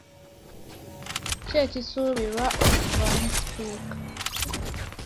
Kye kisuubirwa okuvaamu sipiika.